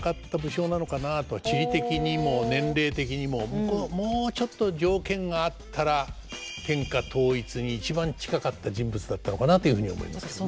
地理的にも年齢的にももうちょっと条件が合ったら天下統一に一番近かった人物だったのかなというふうに思いますね。